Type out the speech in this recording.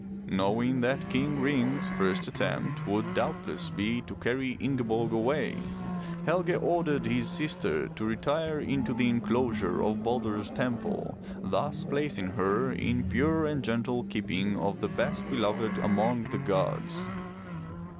Knowing that King Ring's first attempt would doubtless be to carry Ingeborg away, Helge ordered his sister to retire into the enclosure of Balder*s temple, thus placing her in the pure and gentle keeping of the best be loved among the gods.